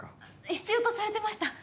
必要とされてました。